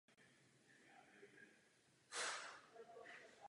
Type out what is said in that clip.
Z mého pohledu jde minimálně o otázku odpovědnosti a kontroly.